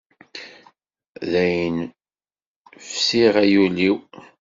Dayen fisiɣ ay ul-iw.